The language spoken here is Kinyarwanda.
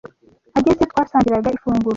Agezeyo, twasangiraga ifunguro.